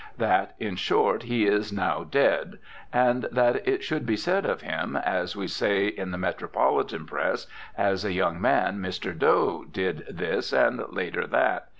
That, in short, he is now dead. And that it should be said of him, as we say in the Metropolitan press, as a young man Mr. Doe did this and later that.